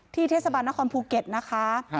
เทศบาลนครภูเก็ตนะคะ